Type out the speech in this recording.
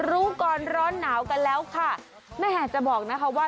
รู้ก่อนร้อนหนาวกันแล้วค่ะแม่จะบอกนะคะว่า